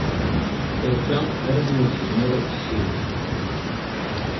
Terfa armi ur tezmir ad tessiwel.